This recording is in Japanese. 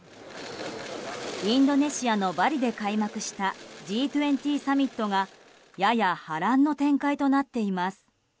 インドネシアのバリで開幕したＧ２０サミットがやや波乱の展開となっています。